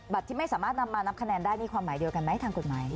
ที่ไม่สามารถนำมานับคะแนนได้นี่ความหมายเดียวกันไหมทางกฎหมาย